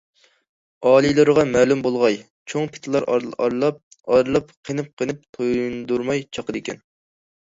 - ئالىيلىرىغا مەلۇم بولغاي، چوڭ پىتلار ئارىلاپ- ئارىلاپ، قېنىپ- قېنىپ تۇيدۇرماي چاقىدىكەن.